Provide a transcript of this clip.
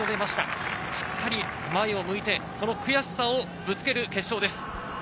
しっかり前を向いて、その悔しさをぶつける決勝です。